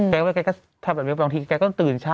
แกก็ทำแบบบางทีแกต้องตื่นเช้า